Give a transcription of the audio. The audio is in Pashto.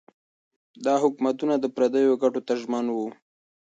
دا حکومتونه د پردیو ګټو ته ژمن وو.